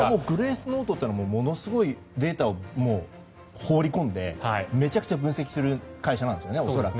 グレースノートというのはものすごいデータを放り込んでめちゃくちゃ分析する会社なんですよね。